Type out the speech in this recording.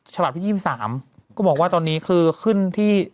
ฉบับที่๒๓ก็บอกว่าตอนนี้คือขึ้นที่